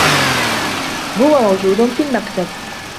هو موجودٌ في المكتَب.